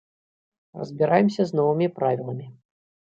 Разбіраемся з новымі правіламі.